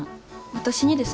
私にですか？